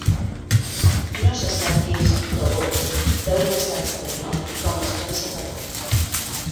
No se sap quins ‘favors’ deu l’estat espanyol i com els pensa pagar.